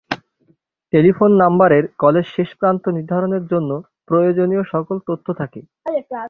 Telephone নাম্বারে কলের শেষ প্রান্ত নির্ধারণের জন্য ফ্রয়োজনীয় সকল তথ্য থাকে।